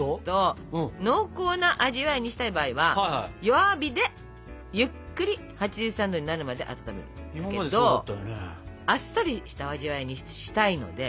濃厚な味わいにしたい場合は弱火でゆっくり８３℃になるまで温めるんだけどあっさりした味わいにしたいので。